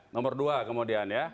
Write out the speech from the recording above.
nomor dua kemudian ya